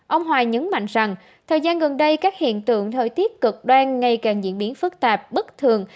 ông hoài nhấn mạnh rằng thời gian gần đây các hiện tượng thời tiết cực đoan ngày càng diễn biến phức tạp bất thường